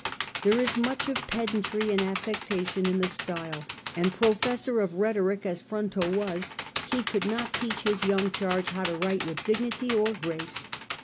There is much of pedantry and affectation in the style, and professor of rhetoric as Fronto was, he could not teach his young charge how to write with dignity or grace.